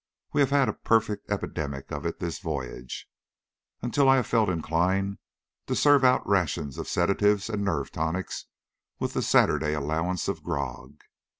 We have had a perfect epidemic of it this voyage, until I have felt inclined to serve out rations of sedatives and nerve tonics with the Saturday allowance of grog.